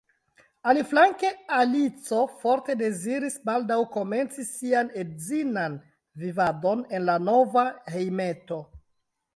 Aliflanke Alico forte deziris baldaŭ komenci sian edzinan vivadon en la nova hejmeto.